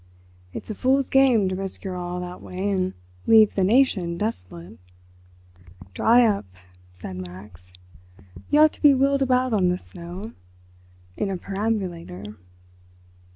It's a fool's game to risk your all that way and leave the nation desolate." "Dry up," said Max. "You ought to be wheeled about on the snow in a perambulator."